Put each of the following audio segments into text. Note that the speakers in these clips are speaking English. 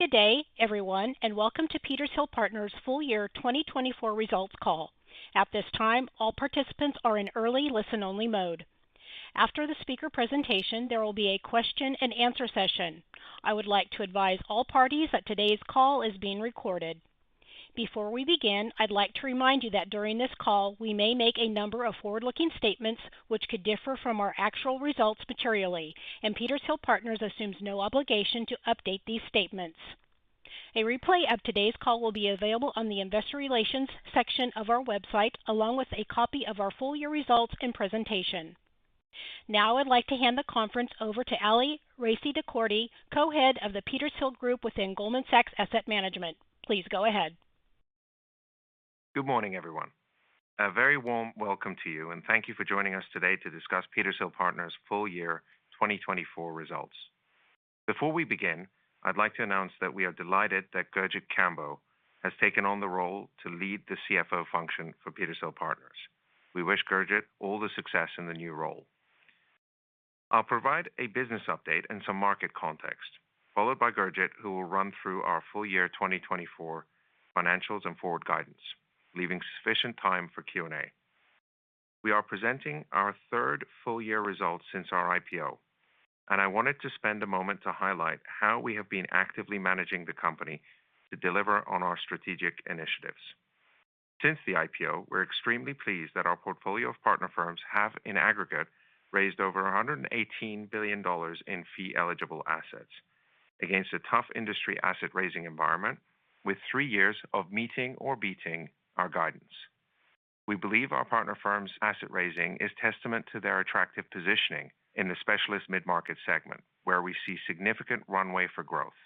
Good day, everyone, and welcome to Petershill Partners' Full-Year 2024 Results Call. At this time, all participants are in early listen-only mode. After the speaker presentation, there will be a question-and-answer session. I would like to advise all parties that today's call is being recorded. Before we begin, I'd like to remind you that during this call, we may make a number of forward-looking statements which could differ from our actual results materially, and Petershill Partners assumes no obligation to update these statements. A replay of today's call will be available on the Investor Relations section of our website, along with a copy of our full-year results and presentation. Now, I'd like to hand the Conference over to Ali Raissi-Dehkordy, co-head of the Petershill Group within Goldman Sachs Asset Management. Please go ahead. Good morning, everyone. A very warm welcome to you, and thank you for joining us today to discuss Petershill Partners' full-year 2024 results. Before we begin, I'd like to announce that we are delighted that Gurjit Kambo has taken on the role to lead the CFO function for Petershill Partners. We wish Gurjit all the success in the new role. I'll provide a business update and some market context, followed by Gurjit, who will run through our full-year 2024 financials and forward guidance, leaving sufficient time for Q&A. We are presenting our third full-year result since our IPO, and I wanted to spend a moment to highlight how we have been actively managing the company to deliver on our strategic initiatives. Since the IPO, we're extremely pleased that our portfolio of partner firms have, in aggregate, raised over $118 billion in fee-eligible assets against a tough industry asset-raising environment, with three years of meeting or beating our guidance. We believe our partner firms' asset raising is testament to their attractive positioning in the specialist mid-market segment, where we see significant runway for growth.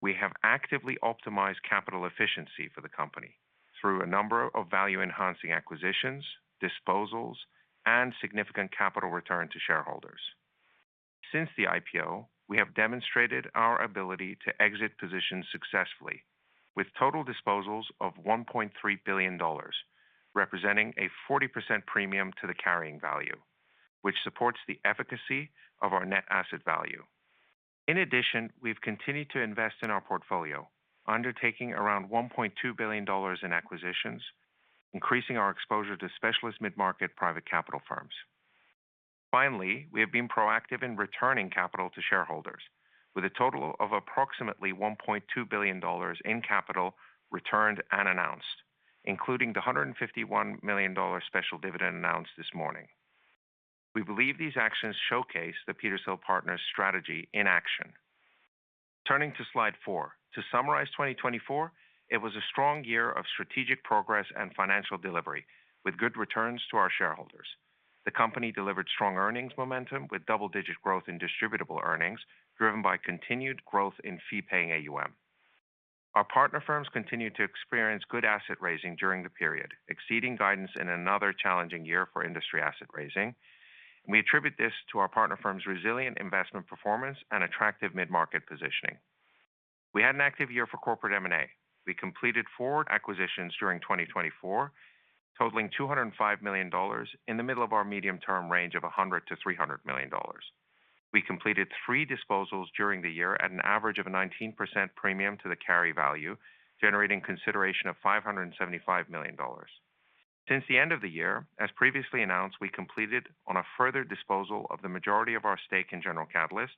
We have actively optimized capital efficiency for the company through a number of value-enhancing acquisitions, disposals, and significant capital return to shareholders. Since the IPO, we have demonstrated our ability to exit positions successfully, with total disposals of $1.3 billion, representing a 40% premium to the carrying value, which supports the efficacy of our net asset value. In addition, we've continued to invest in our portfolio, undertaking around $1.2 billion in acquisitions, increasing our exposure to specialist mid-market private capital firms. Finally, we have been proactive in returning capital to shareholders, with a total of approximately $1.2 billion in capital returned and announced, including the $151 million special dividend announced this morning. We believe these actions showcase the Petershill Partners strategy in action. Turning to slide four, to summarize 2024, it was a strong year of strategic progress and financial delivery, with good returns to our shareholders. The company delivered strong earnings momentum, with double-digit growth in distributable earnings, driven by continued growth in fee-paying AUM. Our partner firms continued to experience good asset raising during the period, exceeding guidance in another challenging year for industry asset raising. We attribute this to our partner firms' resilient investment performance and attractive mid-market positioning. We had an active year for corporate M&A. We completed four acquisitions during 2024, totaling $205 million, in the middle of our medium-term range of $100-$300 million. We completed three disposals during the year at an average of a 19% premium to the carry value, generating consideration of $575 million. Since the end of the year, as previously announced, we completed on a further disposal of the majority of our stake in General Catalyst,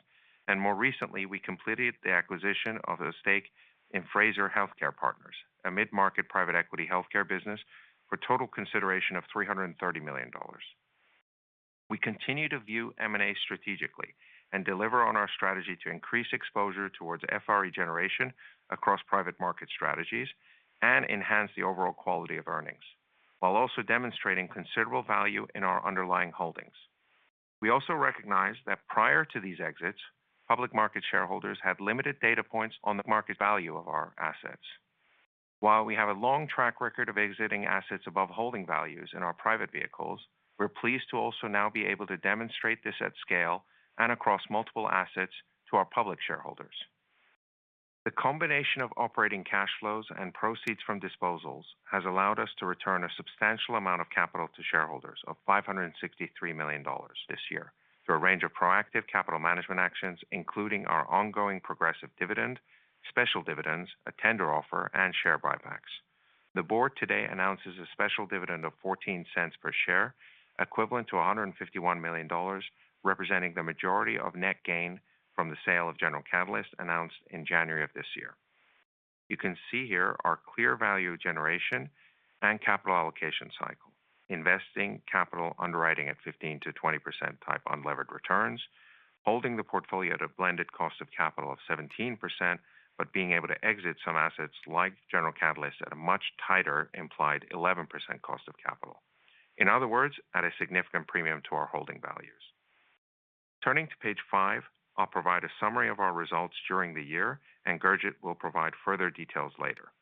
and more recently, we completed the acquisition of a stake in Frazier Healthcare Partners, a mid-market private equity healthcare business, for total consideration of $330 million. We continue to view M&A strategically and deliver on our strategy to increase exposure towards FRE generation across private market strategies and enhance the overall quality of earnings, while also demonstrating considerable value in our underlying holdings. We also recognize that prior to these exits, public market shareholders had limited data points on the market value of our assets. While we have a long track record of exiting assets above holding values in our private vehicles, we're pleased to also now be able to demonstrate this at scale and across multiple assets to our public shareholders. The combination of operating cash flows and proceeds from disposals has allowed us to return a substantial amount of capital to shareholders of $563 million this year through a range of proactive capital management actions, including our ongoing progressive dividend, special dividends, a tender offer, and share buybacks. The board today announces a special dividend of $0.14 per share, equivalent to $151 million, representing the majority of net gain from the sale of General Catalyst announced in January of this year. You can see here our clear value generation and capital allocation cycle: investing capital underwriting at 15%-20% type unlevered returns, holding the portfolio at a blended cost of capital of 17%, but being able to exit some assets like General Catalyst at a much tighter implied 11% cost of capital. In other words, at a significant premium to our holding values. Turning to page five, I'll provide a summary of our results during the year, and Gurjit will provide further details later.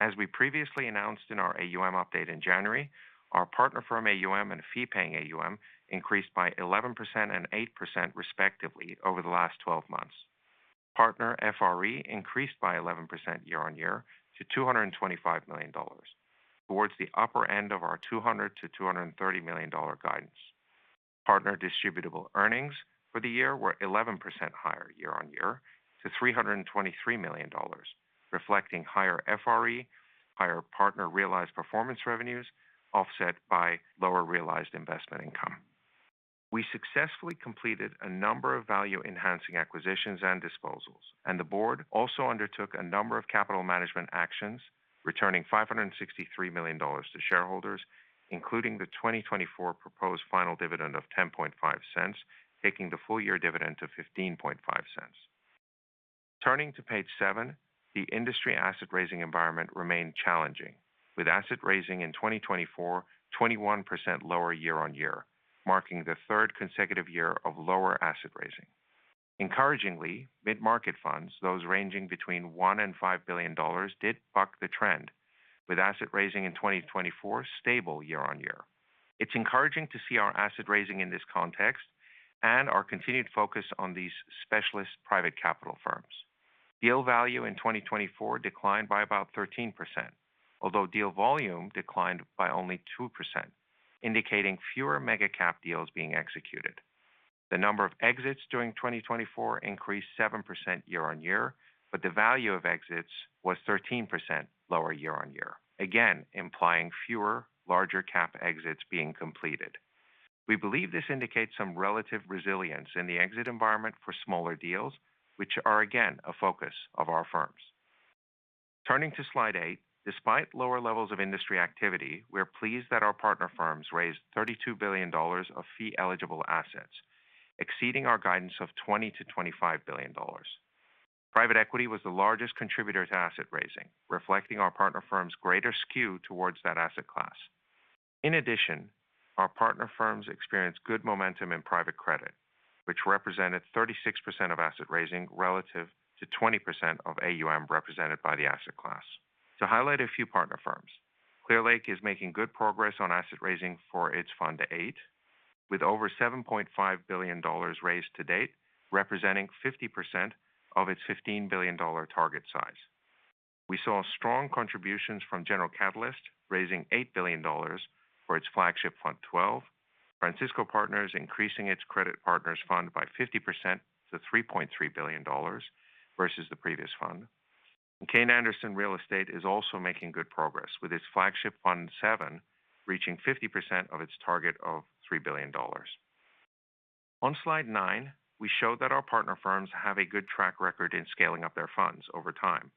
As we previously announced in our AUM update in January, our partner firm AUM and fee-paying AUM increased by 11% and 8% respectively over the last 12 months. Partner FRE increased by 11% year-on-year to $225 million, towards the upper end of our $200-$230 million guidance. Partner distributable earnings for the year were 11% higher year-on-year to $323 million, reflecting higher FRE, higher partner realized performance revenues, offset by lower realized investment income. We successfully completed a number of value-enhancing acquisitions and disposals, and the board also undertook a number of capital management actions, returning $563 million to shareholders, including the 2024 proposed final dividend of $0.10, taking the full-year dividend to $0.15. Turning to page seven, the industry asset raising environment remained challenging, with asset raising in 2024 21% lower year-on-year, marking the third consecutive year of lower asset raising. Encouragingly, mid-market funds, those ranging between $1 billion and $5 billion, did buck the trend, with asset raising in 2024 stable year-on-year. It's encouraging to see our asset raising in this context and our continued focus on these specialist private capital firms. Deal value in 2024 declined by about 13%, although deal volume declined by only 2%, indicating fewer mega-cap deals being executed. The number of exits during 2024 increased 7% year-on-year, but the value of exits was 13% lower year-on-year, again implying fewer larger-cap exits being completed. We believe this indicates some relative resilience in the exit environment for smaller deals, which are again a focus of our firms. Turning to slide eight, despite lower levels of industry activity, we're pleased that our partner firms raised $32 billion of fee-eligible assets, exceeding our guidance of $20 to $25 billion. Private equity was the largest contributor to asset raising, reflecting our partner firms' greater skew towards that asset class. In addition, our partner firms experienced good momentum in private credit, which represented 36% of asset raising relative to 20% of AUM represented by the asset class. To highlight a few partner firms, Clearlake is making good progress on asset raising for its Fund VIII, with over $7.5 billion raised to date, representing 50% of its $15 billion target size. We saw strong contributions from General Catalyst, raising $8 billion for its flagship Fund XII, Francisco Partners increasing its credit partners fund by 50% to $3.3 billion versus the previous fund. Kayne Anderson Real Estate is also making good progress, with its flagship Fund VII reaching 50% of its target of $3 billion. On slide nine, we show that our partner firms have a good track record in scaling up their funds over time.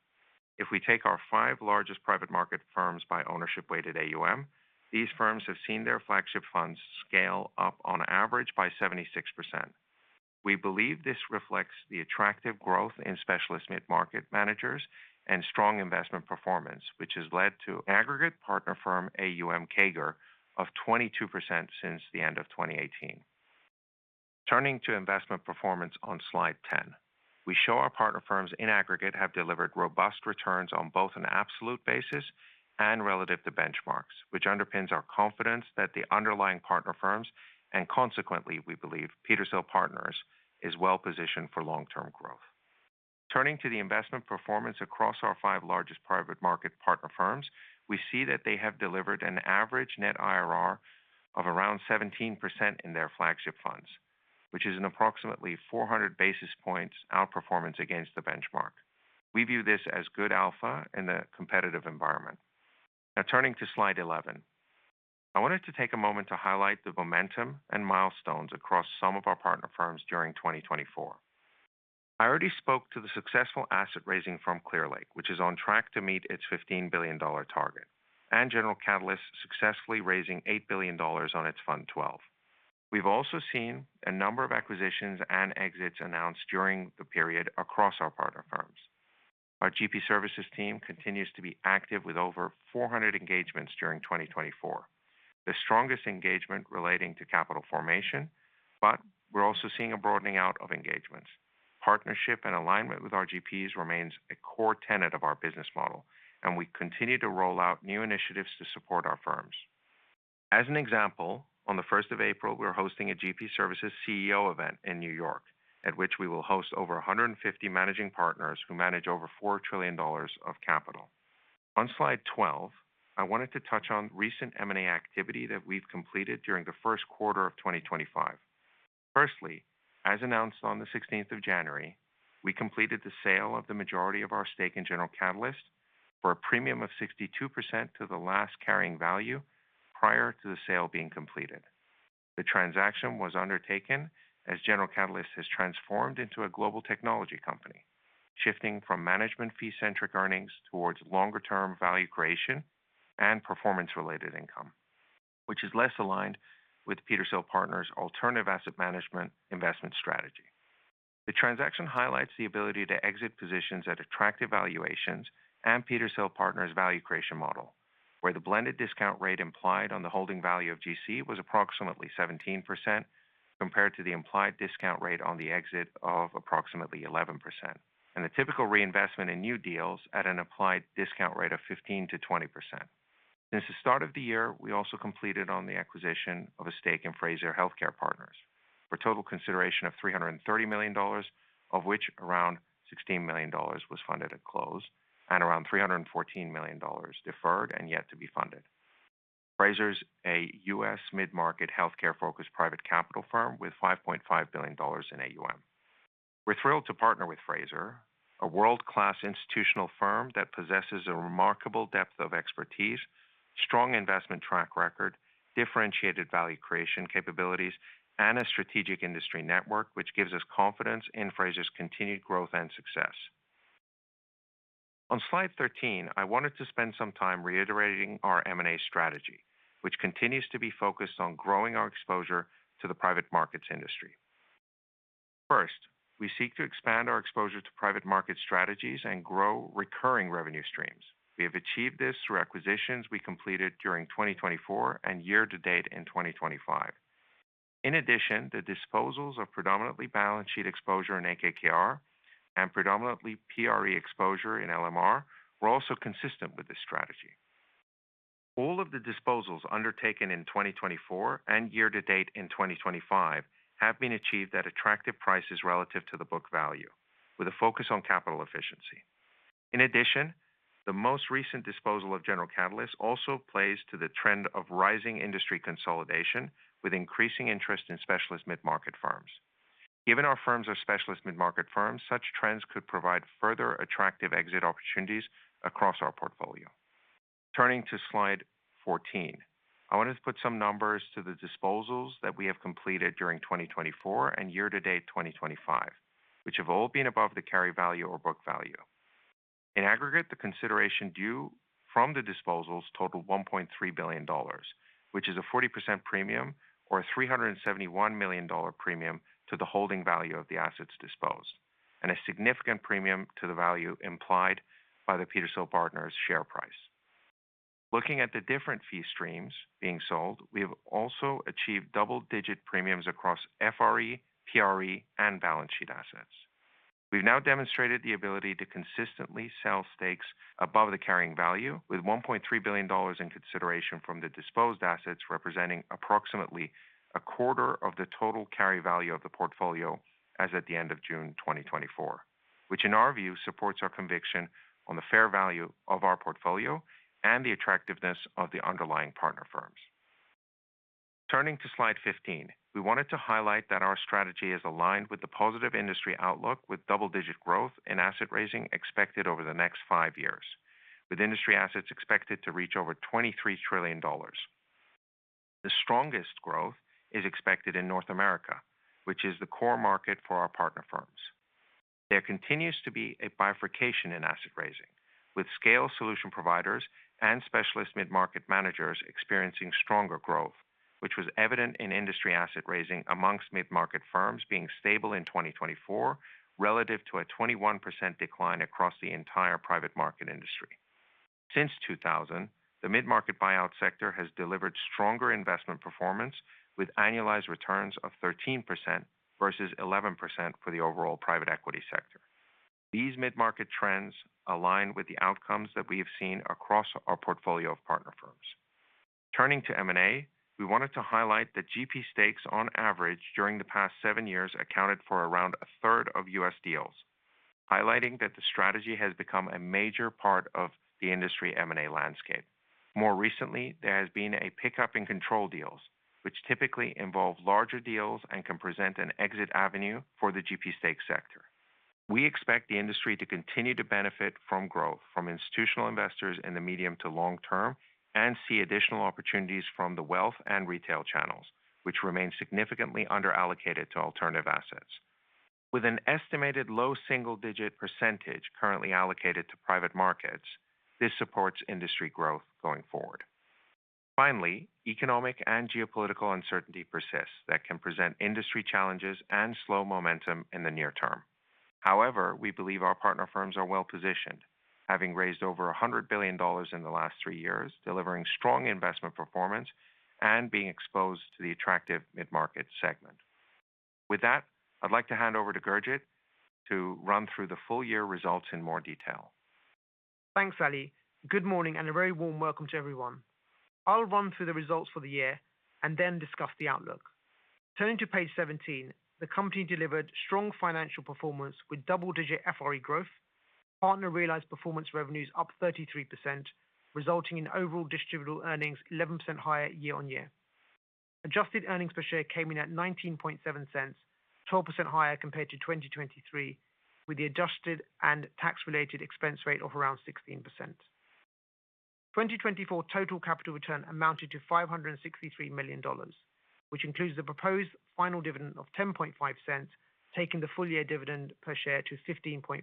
If we take our five largest private market firms by ownership weighted AUM, these firms have seen their flagship funds scale up on average by 76%. We believe this reflects the attractive growth in specialist mid-market managers and strong investment performance, which has led to an aggregate partner firm AUM CAGR of 22% since the end of 2018. Turning to investment performance on slide 10, we show our partner firms in aggregate have delivered robust returns on both an absolute basis and relative to benchmarks, which underpins our confidence that the underlying partner firms and consequently, we believe Petershill Partners is well positioned for long-term growth. Turning to the investment performance across our five largest private market partner firms, we see that they have delivered an average net IRR of around 17% in their flagship funds, which is an approximately 400 basis points outperformance against the benchmark. We view this as good alpha in the competitive environment. Now, turning to slide 11, I wanted to take a moment to highlight the momentum and milestones across some of our partner firms during 2024. I already spoke to the successful asset raising from Clearlake, which is on track to meet its $15 billion target, and General Catalyst successfully raising $8 billion on its fund twelve. We've also seen a number of acquisitions and exits announced during the period across our partner firms. Our GP services team continues to be active with over 400 engagements during 2024, the strongest engagement relating to capital formation, but we're also seeing a broadening out of engagements. Partnership and alignment with our GPs remains a core tenet of our business model, and we continue to roll out new initiatives to support our firms. As an example, on the first of April, we're hosting a GP services CEO event in New York, at which we will host over 150 managing partners who manage over $4 trillion of capital. On slide 12, I wanted to touch on recent M&A activity that we've completed during the first quarter of 2025. Firstly, as announced on the 16th of January, we completed the sale of the majority of our stake in General Catalyst for a premium of 62% to the last carrying value prior to the sale being completed. The transaction was undertaken as General Catalyst has transformed into a global technology company, shifting from management fee-centric earnings towards longer-term value creation and performance-related income, which is less aligned with Petershill Partners' alternative asset management investment strategy. The transaction highlights the ability to exit positions at attractive valuations and Petershill Partners' value creation model, where the blended discount rate implied on the holding value of GC was approximately 17% compared to the implied discount rate on the exit of approximately 11%, and the typical reinvestment in new deals at an implied discount rate of 15%-20%. Since the start of the year, we also completed on the acquisition of a stake in Frazier Healthcare Partners for a total consideration of $330 million, of which around $16 million was funded at close and around $314 million deferred and yet to be funded. Frazier is a U.S. mid-market healthcare-focused private capital firm with $5.5 billion in AUM. We're thrilled to partner with Frazier, a world-class institutional firm that possesses a remarkable depth of expertise, strong investment track record, differentiated value creation capabilities, and a strategic industry network, which gives us confidence in Frazier's continued growth and success. On slide 13, I wanted to spend some time reiterating our M&A strategy, which continues to be focused on growing our exposure to the private markets industry. First, we seek to expand our exposure to private market strategies and grow recurring revenue streams. We have achieved this through acquisitions we completed during 2024 and year-to-date in 2025. In addition, the disposals of predominantly balance sheet exposure in Accel-KKR and predominantly PRE exposure in LMR were also consistent with this strategy. All of the disposals undertaken in 2024 and year-to-date in 2025 have been achieved at attractive prices relative to the book value, with a focus on capital efficiency. In addition, the most recent disposal of General Catalyst also plays to the trend of rising industry consolidation with increasing interest in specialist mid-market firms. Given our firms are specialist mid-market firms, such trends could provide further attractive exit opportunities across our portfolio. Turning to slide 14, I wanted to put some numbers to the disposals that we have completed during 2024 and year-to-date 2025, which have all been above the carry value or book value. In aggregate, the consideration due from the disposals totaled $1.3 billion, which is a 40% premium or a $371 million premium to the holding value of the assets disposed, and a significant premium to the value implied by the Petershill Partners share price. Looking at the different fee streams being sold, we have also achieved double-digit premiums across FRE, PRE, and balance sheet assets. We've now demonstrated the ability to consistently sell stakes above the carrying value, with $1.3 billion in consideration from the disposed assets representing approximately a quarter of the total carry value of the portfolio as at the end of June 2024, which in our view supports our conviction on the fair value of our portfolio and the attractiveness of the underlying partner firms. Turning to slide 15, we wanted to highlight that our strategy is aligned with the positive industry outlook with double-digit growth in asset raising expected over the next five years, with industry assets expected to reach over $23 trillion. The strongest growth is expected in North America, which is the core market for our partner firms. There continues to be a bifurcation in asset raising, with scale solution providers and specialist mid-market managers experiencing stronger growth, which was evident in industry asset raising amongst mid-market firms being stable in 2024 relative to a 21% decline across the entire private market industry. Since 2000, the mid-market buyout sector has delivered stronger investment performance with annualized returns of 13% versus 11% for the overall private equity sector. These mid-market trends align with the outcomes that we have seen across our portfolio of partner firms. Turning to M&A, we wanted to highlight that GP stakes, on average, during the past seven years accounted for around a third of U.S. deals, highlighting that the strategy has become a major part of the industry M&A landscape. More recently, there has been a pickup in control deals, which typically involve larger deals and can present an exit avenue for the GP stake sector. We expect the industry to continue to benefit from growth from institutional investors in the medium to long term and see additional opportunities from the wealth and retail channels, which remain significantly underallocated to alternative assets. With an estimated low single-digit % currently allocated to private markets, this supports industry growth going forward. Finally, economic and geopolitical uncertainty persists that can present industry challenges and slow momentum in the near term. However, we believe our partner firms are well positioned, having raised over $100 billion in the last three years, delivering strong investment performance and being exposed to the attractive mid-market segment. With that, I'd like to hand over to Gurjit to run through the full year results in more detail. Thanks, Ali. Good morning and a very warm welcome to everyone. I'll run through the results for the year and then discuss the outlook. Turning to page seventeen, the company delivered strong financial performance with double-digit FRE growth. Partner realized performance revenues up 33%, resulting in overall distributable earnings 11% higher year-on-year. Adjusted earnings per share came in at $0.197, 12% higher compared to 2023, with the adjusted and tax-related expense rate of around 16%. 2024 total capital return amounted to $563 million, which includes the proposed final dividend of $0.105, taking the full year dividend per share to $0.155,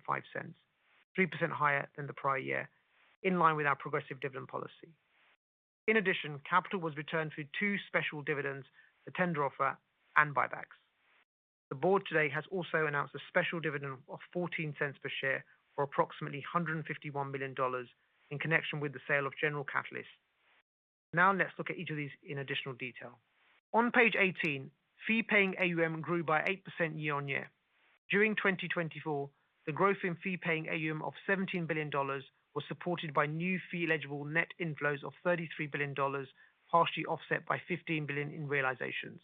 3% higher than the prior year, in line with our progressive dividend policy. In addition, capital was returned through two special dividends, the tender offer and buybacks. The board today has also announced a special dividend of $0.14 per share for approximately $151 million in connection with the sale of General Catalyst. Now let's look at each of these in additional detail. On page eighteen, fee-paying AUM grew by 8% year-on-year. During 2024, the growth in fee-paying AUM of $17 billion was supported by new fee-eligible net inflows of $33 billion, partially offset by $15 billion in realizations.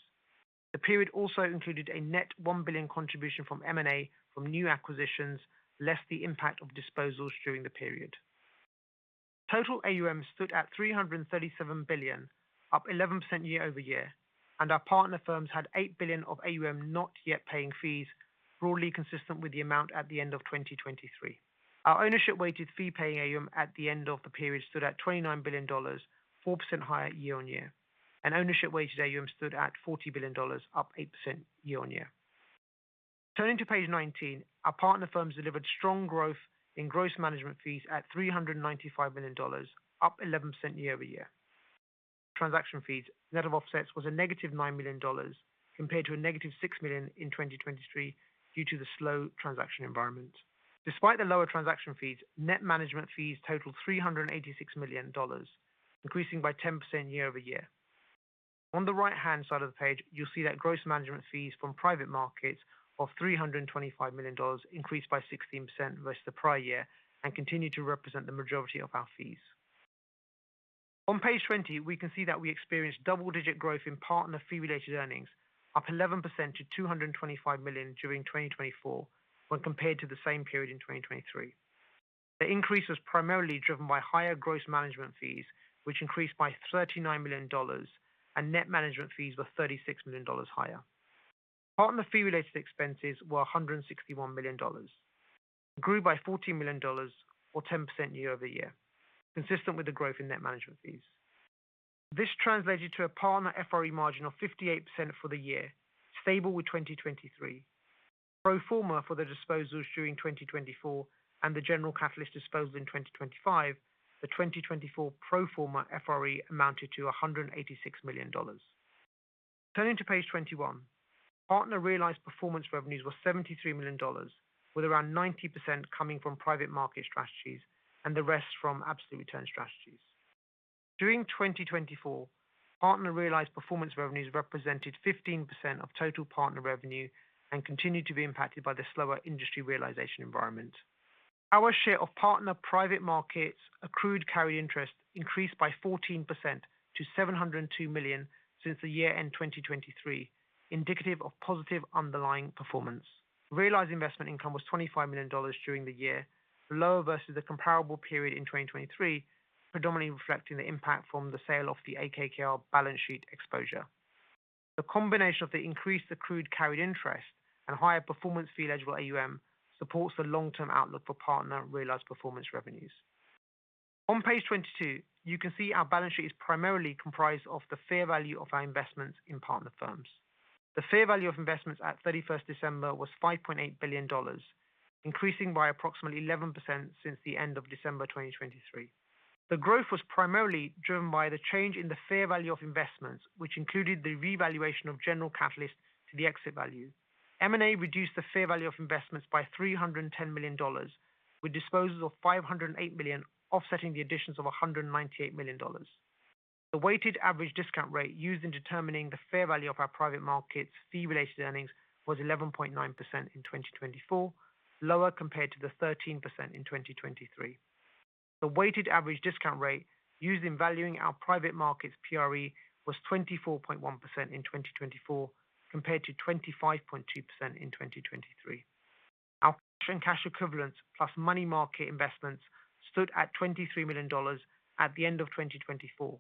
The period also included a net $1 billion contribution from M&A from new acquisitions, less the impact of disposals during the period. Total AUM stood at $337 billion, up 11% year-over-year, and our partner firms had $8 billion of AUM not yet paying fees, broadly consistent with the amount at the end of 2023. Our ownership-weighted fee-paying AUM at the end of the period stood at $29 billion, 4% higher year-on-year, and ownership-weighted AUM stood at $40 billion, up 8% year-on-year. Turning to page nineteen, our partner firms delivered strong growth in gross management fees at $395 million, up 11% year-over-year. Transaction fees, net of offsets, was a negative $9 million compared to a negative $6 million in 2023 due to the slow transaction environment. Despite the lower transaction fees, net management fees totaled $386 million, increasing by 10% year-over-year. On the right-hand side of the page, you'll see that gross management fees from private markets of $325 million increased by 16% versus the prior year and continue to represent the majority of our fees. On page twenty, we can see that we experienced double-digit growth in partner fee-related earnings, up 11% to $225 million during 2024 when compared to the same period in 2023. The increase was primarily driven by higher gross management fees, which increased by $39 million, and net management fees were $36 million higher. Partner fee-related expenses were $161 million. It grew by $14 million, or 10% year-over-year, consistent with the growth in net management fees. This translated to a partner FRE margin of 58% for the year, stable with 2023. Pro forma for the disposals during 2024 and the General Catalyst disposal in 2025, the 2024 pro forma FRE amounted to $186 million. Turning to page twenty-one, partner realized performance revenues were $73 million, with around 90% coming from private market strategies and the rest from absolute return strategies. During 2024, partner realized performance revenues represented 15% of total partner revenue and continued to be impacted by the slower industry realization environment. Our share of partner private markets accrued carry interest increased by 14% to $702 million since the year-end 2023, indicative of positive underlying performance. Realized investment income was $25 million during the year, lower versus the comparable period in 2023, predominantly reflecting the impact from the sale of the Accel-KKR balance sheet exposure. The combination of the increased accrued carried interest and higher performance fee-eligible AUM supports the long-term outlook for partner realized performance revenues. On page twenty-two, you can see our balance sheet is primarily comprised of the fair value of our investments in partner firms. The fair value of investments at 31st December was $5.8 billion, increasing by approximately 11% since the end of December 2023. The growth was primarily driven by the change in the fair value of investments, which included the revaluation of General Catalyst to the exit value. M&A reduced the fair value of investments by $310 million, with disposals of $508 million, offsetting the additions of $198 million. The weighted average discount rate used in determining the fair value of our private markets' fee-related earnings was 11.9% in 2024, lower compared to the 13% in 2023. The weighted average discount rate used in valuing our private markets' PRE was 24.1% in 2024 compared to 25.2% in 2023. Our cash and cash equivalents plus money market investments stood at $23 million at the end of 2024.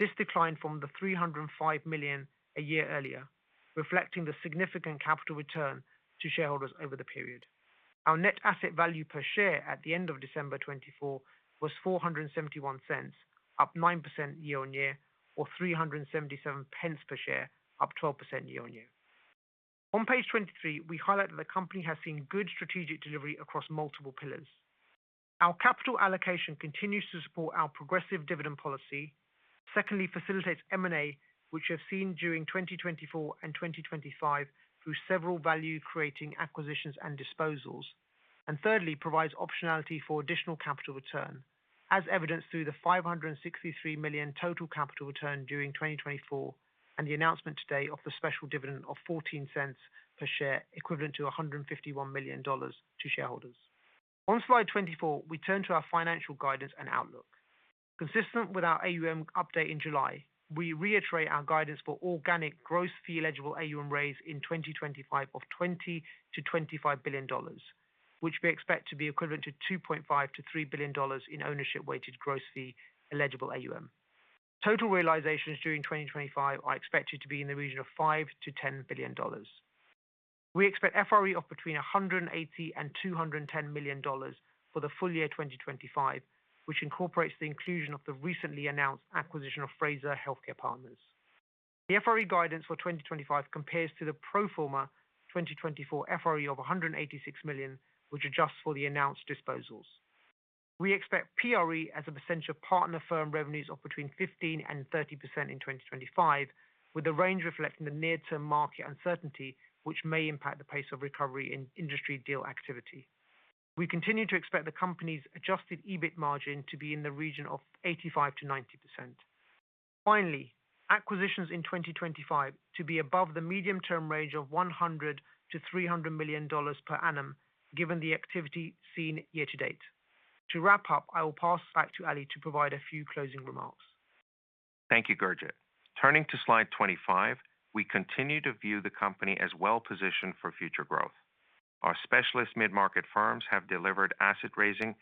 This declined from the $305 million a year earlier, reflecting the significant capital return to shareholders over the period. Our net asset value per share at the end of December 2024 was $4.71, up 9% year-on-year, or $3.77 per share, up 12% year-on-year. On page twenty-three, we highlight that the company has seen good strategic delivery across multiple pillars. Our capital allocation continues to support our progressive dividend policy. Secondly, it facilitates M&A, which we have seen during 2024 and 2025 through several value-creating acquisitions and disposals. Thirdly, it provides optionality for additional capital return, as evidenced through the $563 million total capital return during 2024 and the announcement today of the special dividend of $0.14 per share, equivalent to $151 million to shareholders. On slide 24, we turn to our financial guidance and outlook. Consistent with our AUM update in July, we reiterate our guidance for organic gross fee-eligible AUM raise in 2025 of $20-$25 billion, which we expect to be equivalent to $2.5-$3 billion in ownership-weighted gross fee-eligible AUM. Total realizations during 2025 are expected to be in the region of $5-$10 billion. We expect FRE of between $180-$210 million for the full year 2025, which incorporates the inclusion of the recently announced acquisition of Frazier Healthcare Partners. The FRE guidance for 2025 compares to the pro forma 2024 FRE of $186 million, which adjusts for the announced disposals. We expect PRE as a percentage of partner firm revenues of between 15%-30% in 2025, with the range reflecting the near-term market uncertainty, which may impact the pace of recovery in industry deal activity. We continue to expect the company's adjusted EBITDA margin to be in the region of 85-90%. Finally, acquisitions in 2025 are to be above the medium-term range of $100-$300 million per annum, given the activity seen year-to-date. To wrap up, I will pass back to Ali to provide a few closing remarks. Thank you, Gurjit. Turning to slide 25, we continue to view the company as well positioned for future growth. Our specialist mid-market firms have delivered asset raising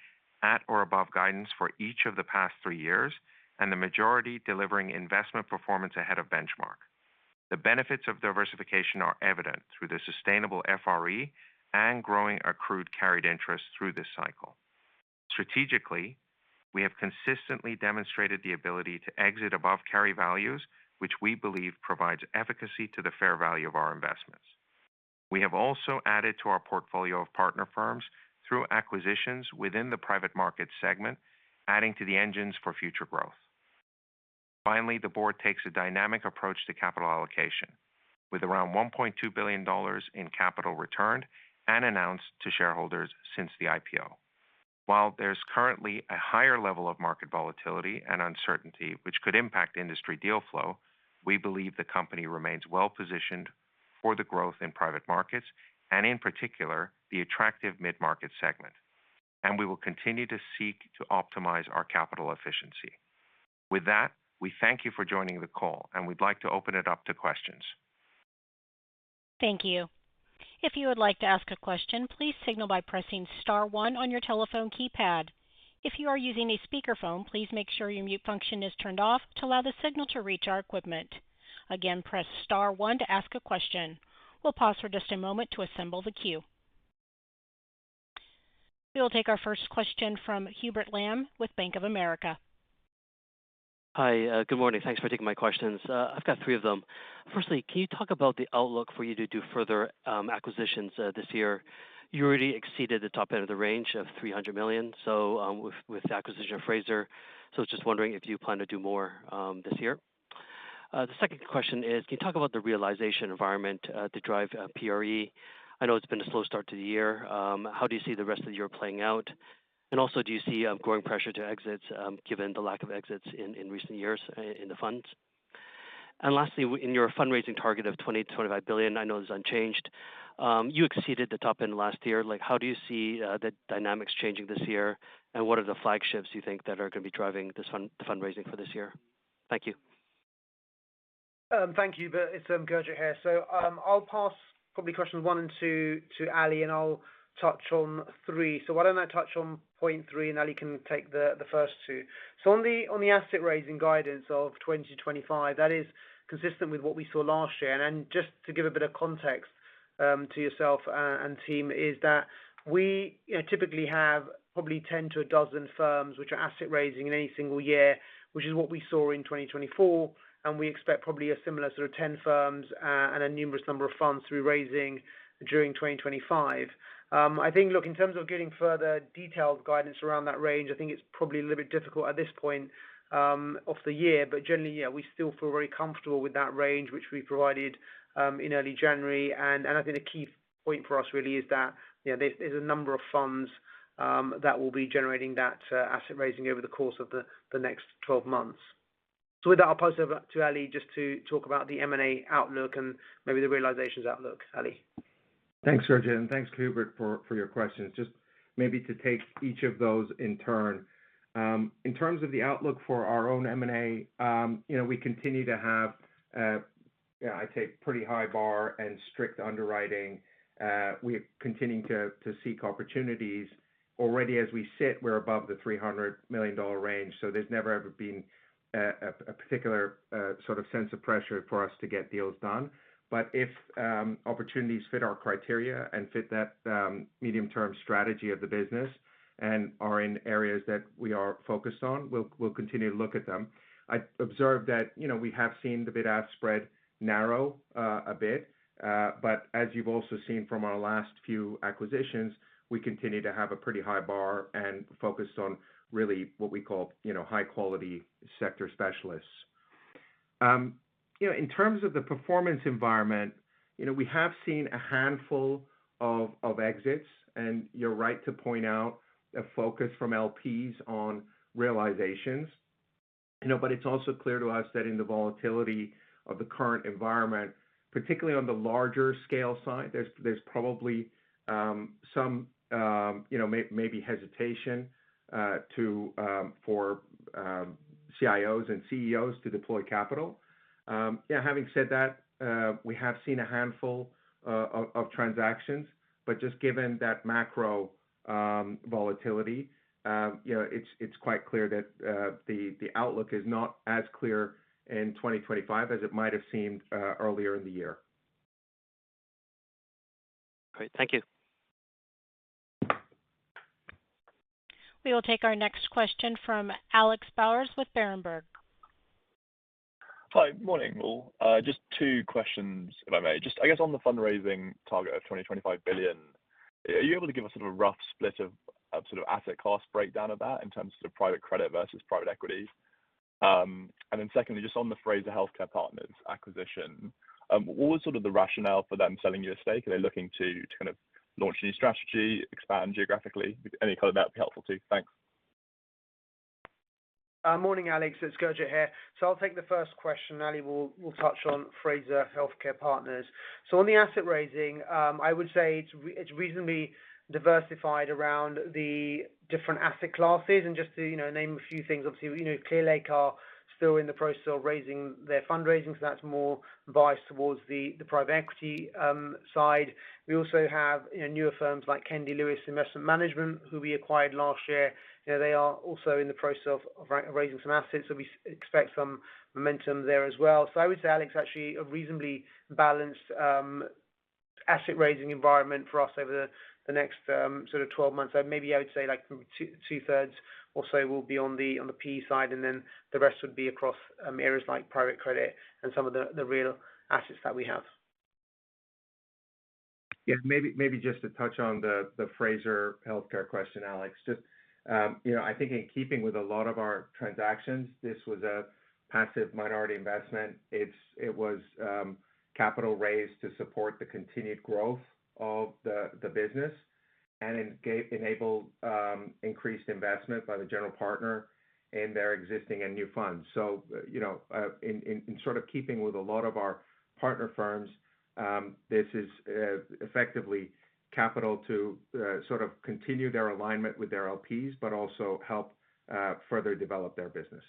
at or above guidance for each of the past three years, and the majority delivering investment performance ahead of benchmark. The benefits of diversification are evident through the sustainable FRE and growing accrued carried interest through this cycle. Strategically, we have consistently demonstrated the ability to exit above carry values, which we believe provides efficacy to the fair value of our investments. We have also added to our portfolio of partner firms through acquisitions within the private market segment, adding to the engines for future growth. Finally, the board takes a dynamic approach to capital allocation, with around $1.2 billion in capital returned and announced to shareholders since the IPO. While there is currently a higher level of market volatility and uncertainty, which could impact industry deal flow, we believe the company remains well positioned for the growth in private markets and, in particular, the attractive mid-market segment, and we will continue to seek to optimize our capital efficiency. With that, we thank you for joining the call, and we would like to open it up to questions. Thank you. If you would like to ask a question, please signal by pressing Star 1 on your telephone keypad. If you are using a speakerphone, please make sure your mute function is turned off to allow the signal to reach our equipment. Again, press Star 1 to ask a question. We'll pause for just a moment to assemble the queue. We will take our first question from Hubert Lam with Bank of America. Hi, good morning. Thanks for taking my questions. I've got three of them. Firstly, can you talk about the outlook for you to do further acquisitions this year? You already exceeded the top end of the range of $300 million with the acquisition of Frazier, so I was just wondering if you plan to do more this year. The second question is, can you talk about the realization environment to drive PRE? I know it's been a slow start to the year. How do you see the rest of the year playing out? Also, do you see growing pressure to exits given the lack of exits in recent years in the funds? Lastly, in your fundraising target of $20 billion-$25 billion, I know it's unchanged. You exceeded the top end last year. How do you see the dynamics changing this year, and what are the flagships you think that are going to be driving the fundraising for this year? Thank you. Thank you, but it's Gurjit here. I'll pass probably questions one and two to Ali, and I'll touch on three. Why don't I touch on point three, and Ali can take the first two. On the asset raising guidance of 2025, that is consistent with what we saw last year. Just to give a bit of context to yourself and team, we typically have probably 10 to a dozen firms which are asset raising in any single year, which is what we saw in 2024, and we expect probably a similar sort of 10 firms and a numerous number of funds to be raising during 2025. I think, look, in terms of getting further detailed guidance around that range, I think it's probably a little bit difficult at this point of the year, but generally, yeah, we still feel very comfortable with that range which we provided in early January. I think the key point for us really is that there's a number of funds that will be generating that asset raising over the course of the next 12 months. With that, I'll pass over to Ali just to talk about the M&A outlook and maybe the realizations outlook. Ali. Thanks, Gurjit, and thanks, Hubert, for your questions. Maybe to take each of those in turn. In terms of the outlook for our own M&A, we continue to have, yeah, I'd say, pretty high bar and strict underwriting. We're continuing to seek opportunities. Already, as we sit, we're above the $300 million range, so there's never ever been a particular sort of sense of pressure for us to get deals done. If opportunities fit our criteria and fit that medium-term strategy of the business and are in areas that we are focused on, we'll continue to look at them. I've observed that we have seen the bid-ask spread narrow a bit, but as you've also seen from our last few acquisitions, we continue to have a pretty high bar and focus on really what we call high-quality sector specialists. In terms of the performance environment, we have seen a handful of exits, and you're right to point out a focus from LPs on realizations. It is also clear to us that in the volatility of the current environment, particularly on the larger scale side, there is probably some maybe hesitation for CIOs and CEOs to deploy capital. Yeah, having said that, we have seen a handful of transactions, but just given that macro volatility, it is quite clear that the outlook is not as clear in 2025 as it might have seemed earlier in the year. Great. Thank you. We will take our next question from Alex Bowers with Berenberg. Hi, good morning, all. Just two questions, if I may. Just, I guess, on the fundraising target of $20-$25 billion, are you able to give us a rough split of sort of asset cost breakdown of that in terms of private credit versus private equity? Then secondly, just on the Frazier Healthcare Partners acquisition, what was sort of the rationale for them selling you a stake? Are they looking to kind of launch a new strategy, expand geographically? Any color that would be helpful too. Thanks. Morning, Alex. It's Gurjit here. I'll take the first question. Ali will touch on Frazier Healthcare Partners. On the asset raising, I would say it's reasonably diversified around the different asset classes. Just to name a few things, obviously, Clearlake are still in the process of raising their fundraising, so that's more biased towards the private equity side. We also have newer firms like Kayne Anderson Real Estate, who we acquired last year. They are also in the process of raising some assets, so we expect some momentum there as well. I would say, Alex, actually a reasonably balanced asset raising environment for us over the next sort of 12 months. Maybe I would say two-thirds or so will be on the PE side, and then the rest would be across areas like private credit and some of the real assets that we have. Yeah, maybe just to touch on the Frazier Healthcare question, Alex. I think in keeping with a lot of our transactions, this was a passive minority investment. It was capital raised to support the continued growth of the business and enable increased investment by the general partner in their existing and new funds. In sort of keeping with a lot of our partner firms, this is effectively capital to sort of continue their alignment with their LPs, but also help further develop their business.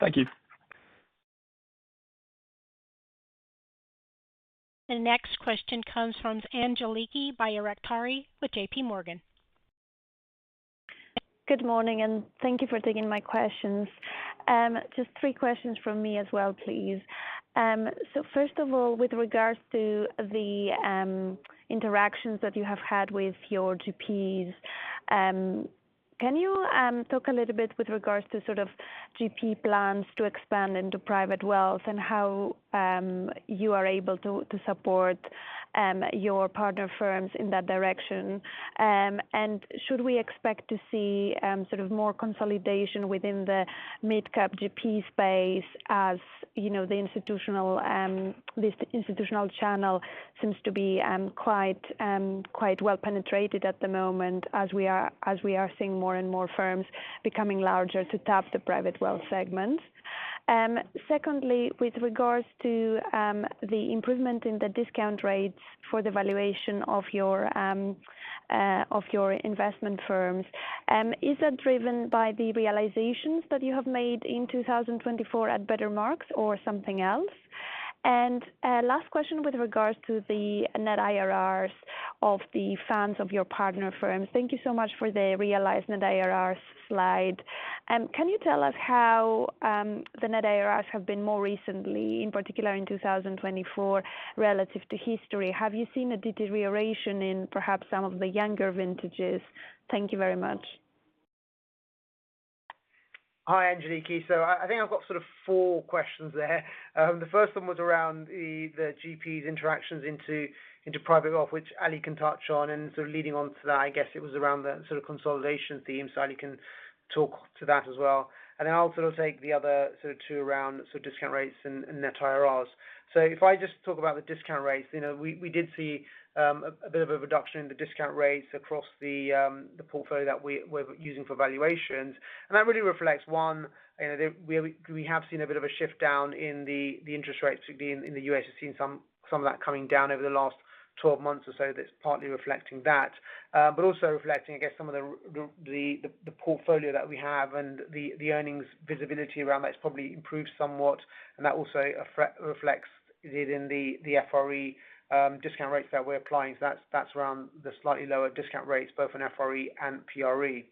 Thank you. The next question comes from Angeliki Bairaktari with JP Morgan. Good morning, and thank you for taking my questions. Just three questions from me as well, please. First of all, with regards to the interactions that you have had with your GPs, can you talk a little bit with regards to sort of GP plans to expand into private wealth and how you are able to support your partner firms in that direction? Should we expect to see sort of more consolidation within the mid-cap GP space as the institutional channel seems to be quite well penetrated at the moment as we are seeing more and more firms becoming larger to tap the private wealth segment? Secondly, with regards to the improvement in the discount rates for the valuation of your investment firms, is that driven by the realizations that you have made in 2024 at bettermarks or something else? Last question with regards to the net IRRs of the funds of your partner firms. Thank you so much for the realized net IRRs slide. Can you tell us how the net IRRs have been more recently, in particular in 2024, relative to history? Have you seen a deterioration in perhaps some of the younger vintages? Thank you very much. Hi, Angeliki. I think I've got sort of four questions there. The first one was around the GP's interactions into private wealth, which Ali can touch on. Sort of leading on to that, I guess it was around the sort of consolidation theme, so Ali can talk to that as well. I will sort of take the other sort of two around sort of discount rates and net IRRs. If I just talk about the discount rates, we did see a bit of a reduction in the discount rates across the portfolio that we're using for valuations. That really reflects, one, we have seen a bit of a shift down in the interest rates. In the U.S., we've seen some of that coming down over the last 12 months or so. That's partly reflecting that, but also reflecting, I guess, some of the portfolio that we have and the earnings visibility around that has probably improved somewhat. That also reflects in the FRE discount rates that we're applying. That's around the slightly lower discount rates, both in FRE and PRE.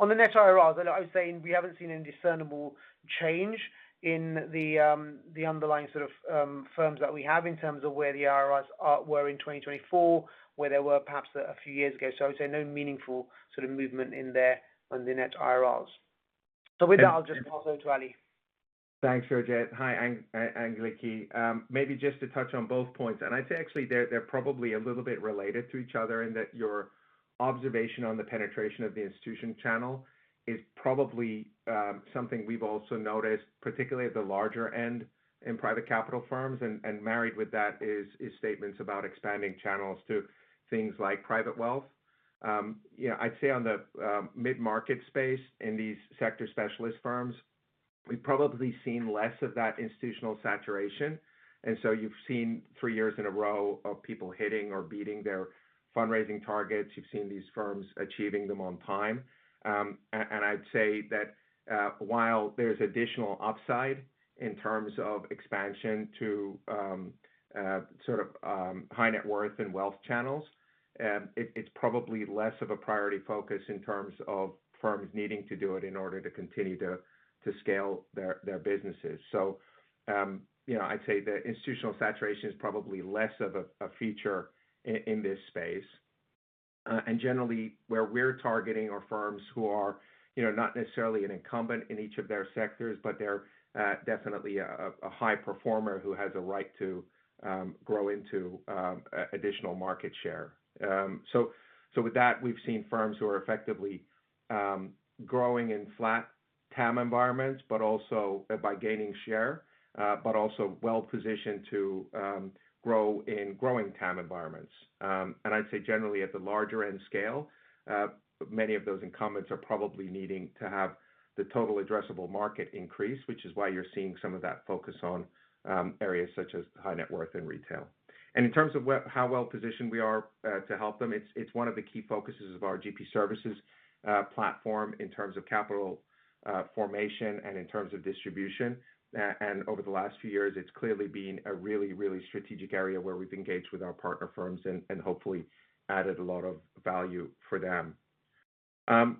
On the net IRRs, I would say we haven't seen any discernible change in the underlying sort of firms that we have in terms of where the IRRs were in 2024, where they were perhaps a few years ago. I would say no meaningful sort of movement in there on the net IRRs. With that, I'll just pass over to Ali. Thanks, Gurjit. Hi, Angeliki. Maybe just to touch on both points. I'd say actually they're probably a little bit related to each other in that your observation on the penetration of the institution channel is probably something we've also noticed, particularly at the larger end in private capital firms. Married with that is statements about expanding channels to things like private wealth. I'd say on the mid-market space in these sector specialist firms, we've probably seen less of that institutional saturation. You've seen three years in a row of people hitting or beating their fundraising targets. You've seen these firms achieving them on time. I'd say that while there's additional upside in terms of expansion to sort of high net worth and wealth channels, it's probably less of a priority focus in terms of firms needing to do it in order to continue to scale their businesses. I'd say the institutional saturation is probably less of a feature in this space. Generally, where we're targeting are firms who are not necessarily an incumbent in each of their sectors, but they're definitely a high performer who has a right to grow into additional market share. With that, we've seen firms who are effectively growing in flat TAM environments, but also by gaining share, but also well-positioned to grow in growing TAM environments. I'd say generally at the larger end scale, many of those incumbents are probably needing to have the total addressable market increase, which is why you're seeing some of that focus on areas such as high net worth and retail. In terms of how well-positioned we are to help them, it's one of the key focuses of our GP services platform in terms of capital formation and in terms of distribution. Over the last few years, it's clearly been a really, really strategic area where we've engaged with our partner firms and hopefully added a lot of value for them.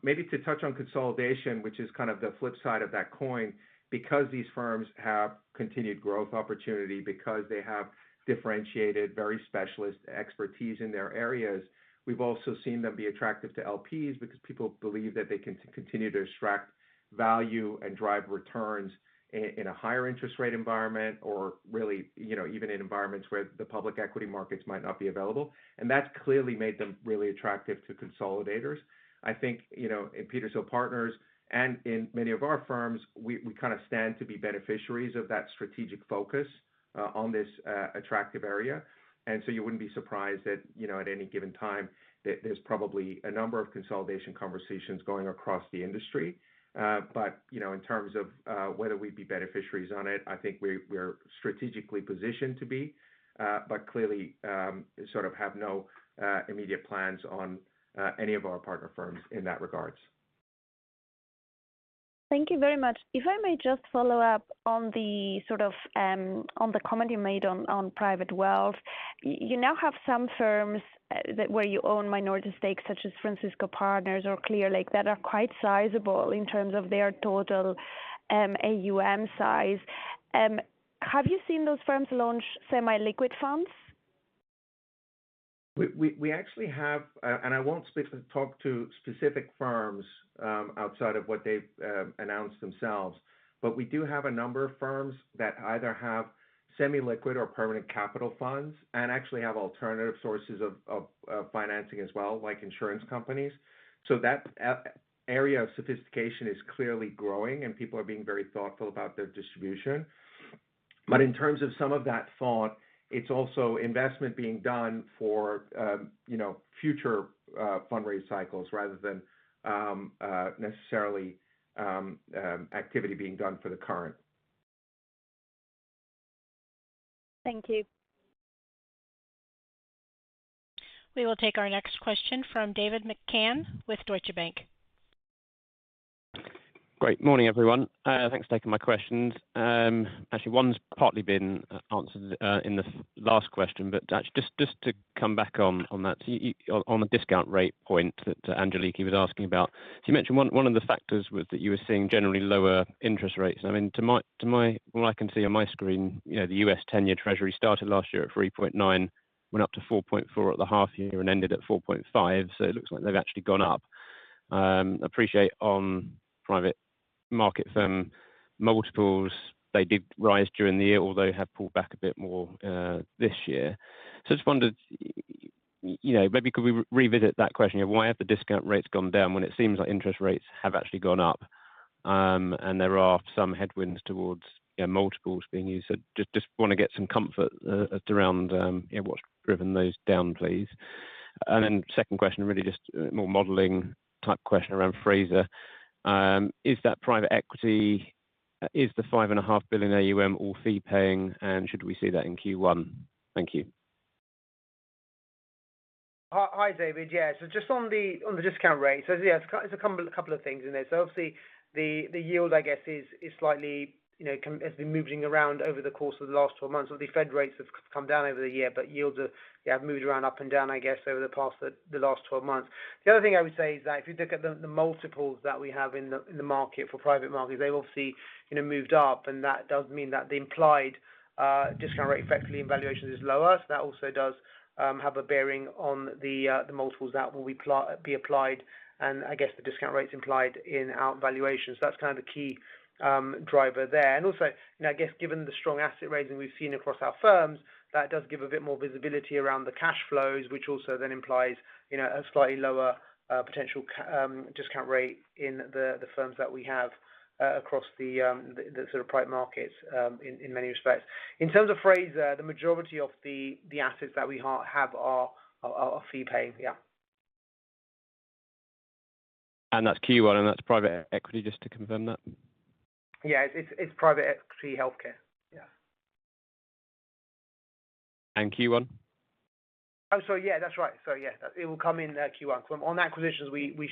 Maybe to touch on consolidation, which is kind of the flip side of that coin, because these firms have continued growth opportunity, because they have differentiated very specialist expertise in their areas, we've also seen them be attractive to LPs because people believe that they can continue to extract value and drive returns in a higher interest rate environment or really even in environments where the public equity markets might not be available. That's clearly made them really attractive to consolidators. I think in Petershill Partners and in many of our firms, we kind of stand to be beneficiaries of that strategic focus on this attractive area. You would not be surprised that at any given time there is probably a number of consolidation conversations going across the industry. In terms of whether we would be beneficiaries on it, I think we are strategically positioned to be, but clearly sort of have no immediate plans on any of our partner firms in that regard. Thank you very much. If I may just follow up on the sort of comment you made on private wealth, you now have some firms where you own minority stakes, such as Francisco Partners or Clearlake Capital, that are quite sizable in terms of their total AUM size. Have you seen those firms launch semi-liquid funds? We actually have, and I will not specifically talk to specific firms outside of what they have announced themselves, but we do have a number of firms that either have semi-liquid or permanent capital funds and actually have alternative sources of financing as well, like insurance companies. That area of sophistication is clearly growing, and people are being very thoughtful about their distribution. In terms of some of that thought, it is also investment being done for future fundraise cycles rather than necessarily activity being done for the current. Thank you. We will take our next question from David McCann with Deutsche Bank. Great. Morning, everyone. Thanks for taking my questions. Actually, one has partly been answered in the last question, but just to come back on that, on the discount rate point that Angeliki was asking about. You mentioned one of the factors was that you were seeing generally lower interest rates. I mean, to what I can see on my screen, the U.S. 10-year Treasury started last year at 3.9, went up to 4.4 at the half year, and ended at 4.5. It looks like they have actually gone up. Appreciate on private market firm multiples, they did rise during the year, although have pulled back a bit more this year. I just wondered, maybe could we revisit that question of why have the discount rates gone down when it seems like interest rates have actually gone up and there are some headwinds towards multiples being used? I just want to get some comfort around what has driven those down, please. My second question is really just more of a modeling type question around Frazier. Is that private equity, is the $5.5 billion AUM all fee-paying, and should we see that in Q1? Thank you. Hi, David. Yeah. Just on the discount rates, there's a couple of things in there. Obviously, the yield, I guess, has been moving around over the course of the last 12 months. The Fed rates have come down over the year, but yields have moved around up and down, I guess, over the past 12 months. The other thing I would say is that if you look at the multiples that we have in the market for private markets, they've obviously moved up, and that does mean that the implied discount rate effectively in valuations is lower. That also does have a bearing on the multiples that will be applied and, I guess, the discount rates implied in our valuations. That is kind of the key driver there. Also, I guess, given the strong asset raising we have seen across our firms, that does give a bit more visibility around the cash flows, which also then implies a slightly lower potential discount rate in the firms that we have across the sort of private markets in many respects. In terms of Frazier, the majority of the assets that we have are fee-paying. Yeah. That is Q1, and that is private equity, just to confirm that. Yeah, it is private equity healthcare. Yeah. Q1? Oh, sorry. Yeah, that is right. It will come in Q1. On acquisitions, we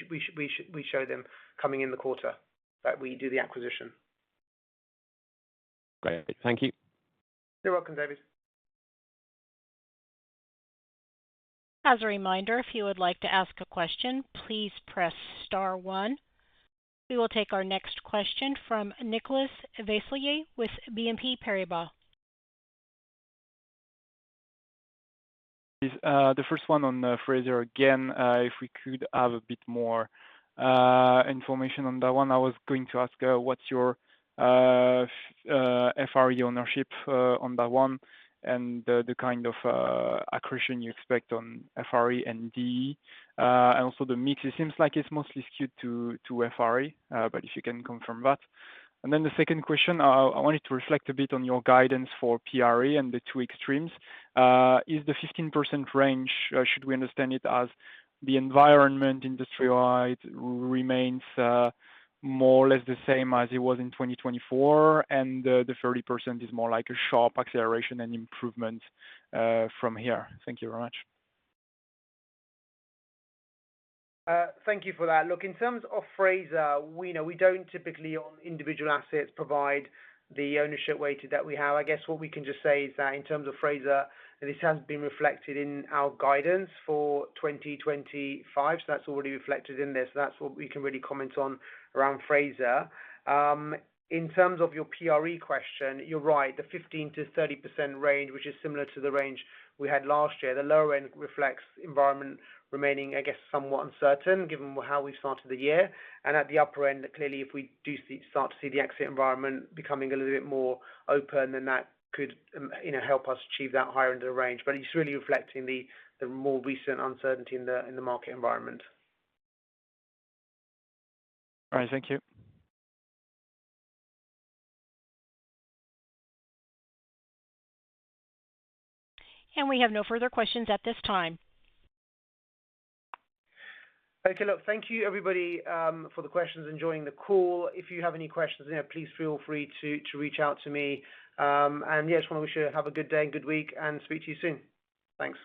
show them coming in the quarter that we do the acquisition. Great. Thank you. You are welcome, David. As a reminder, if you would like to ask a question, please press star one. We will take our next question from Nicolas Vayssieres with BNP Paribas. The first one on Frazier, again, if we could have a bit more information on that one. I was going to ask what's your FRE ownership on that one and the kind of accretion you expect on FRE and DE, and also the mix. It seems like it's mostly skewed to FRE, but if you can confirm that. The second question, I wanted to reflect a bit on your guidance for PRE and the two extremes. Is the 15% range, should we understand it as the environment industry-wide, remains more or less the same as it was in 2024, and the 30% is more like a sharp acceleration and improvement from here? Thank you very much. Thank you for that. Look, in terms of Frazier, we do not typically on individual assets provide the ownership weighted that we have. I guess what we can just say is that in terms of Frazier, this has been reflected in our guidance for 2025. That is already reflected in there. That is what we can really comment on around Frazier. In terms of your PRE question, you are right, the 15%-30% range, which is similar to the range we had last year, the lower end reflects environment remaining, I guess, somewhat uncertain given how we have started the year. At the upper end, clearly, if we do start to see the exit environment becoming a little bit more open, that could help us achieve that higher end of the range. It is really reflecting the more recent uncertainty in the market environment. All right. Thank you. We have no further questions at this time. Okay. Look, thank you, everybody, for the questions and joining the call. If you have any questions, please feel free to reach out to me. Yeah, just want to wish you have a good day and good week and speak to you soon. Thanks.